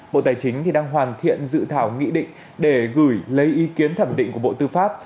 bộ tài chính đang hoàn thiện dự thảo nghị định để gửi lấy ý kiến thẩm định của bộ tư pháp